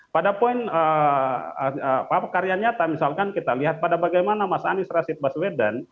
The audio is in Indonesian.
pada poin karya nyata misalkan kita lihat pada bagaimana mas anies rashid baswedan